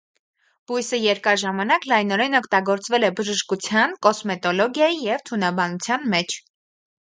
Բույսը երկար ժամանակ լայնորեն օգտագործվել է բժշկության, կոսմետոլոգիայի և թունաբանության մեջ։